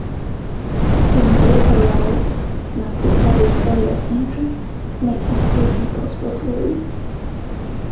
When they arrived, Makuta destroyed the entrance, making it impossible to leave.